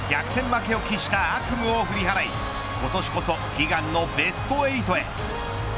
負けを喫した悪夢を振り払い今年こそ悲願のベスト８へ。